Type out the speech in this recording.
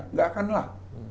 nggak akan lah